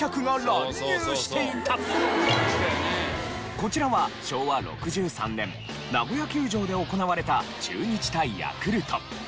こちらは昭和６３年ナゴヤ球場で行われた中日対ヤクルト。